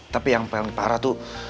tapi yang paling parah tuh